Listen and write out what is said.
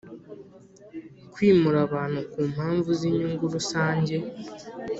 Kwimura abantu ku mpamvu z’inyungu rusange